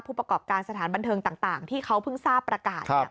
ผู้ประกอบการสถานบันเทิงต่างที่เขาเพิ่งทราบประกาศ